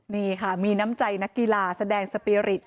นี่ค่ะมีน้ำใจนักกีฬาแสดงสปีริต